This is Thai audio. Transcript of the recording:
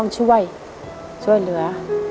ช่วยเหลือ